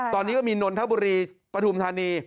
ตอนนี้ก็มีนนทบุรีปฐุมธานี